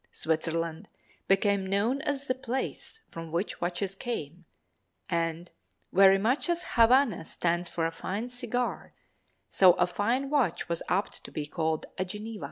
Switzerland became known as the place from which watches came, and, very much as "Havana" stands for a fine cigar, so a fine watch was apt to be called a "Geneva."